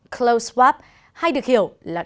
clotheswap hay được hiểu là